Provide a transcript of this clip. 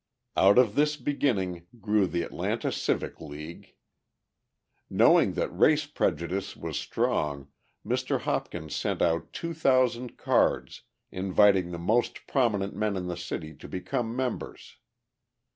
Out of this beginning grew the Atlanta Civic League. Knowing that race prejudice was strong, Mr. Hopkins sent out 2,000 cards, inviting the most prominent men in the city to become members.